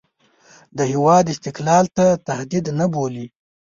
د هېواد استقلال ته تهدید نه بولي.